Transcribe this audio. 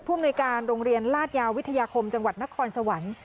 อำนวยการโรงเรียนลาดยาววิทยาคมจังหวัดนครสวรรค์